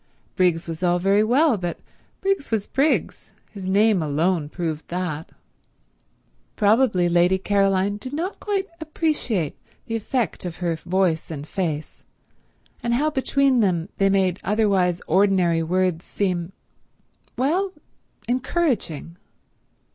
Briggs was all very well, but Briggs was Briggs; his name alone proved that. Probably Lady Caroline did not quite appreciate the effect of her voice and face, and how between them they made otherwise ordinary words seem—well, encouraging.